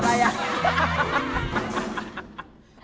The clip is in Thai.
อะไรอ่ะ